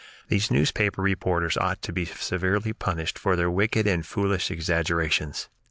These newspaper reporters ought to be severely punished for their wicked and foolish exaggerations.